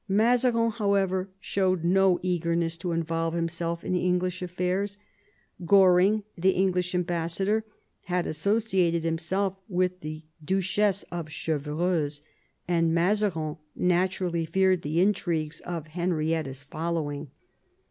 Mazarin, however, showed no eagerness to involve him self in English affairs. Goring, the English ambassador, had associated himself with the Duchess of Chevreuse, and Mazarin naturally feared the intrigues of Henrietta's following.